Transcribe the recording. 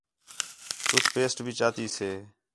ٹوٹھ پیسٹ بھی چاتی سے